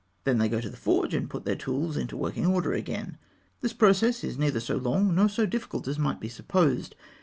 Then they go to the forge, and put their tools into working order again. The process is neither so long nor so difficult as might be supposed.